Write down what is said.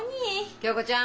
恭子ちゃん！